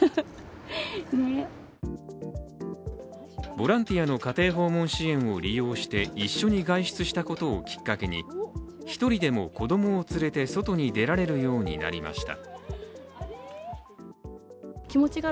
ボランティアの家庭訪問支援を利用して一緒に外出したことをきっかけに１人でも子供を連れて外に出られるようになりました。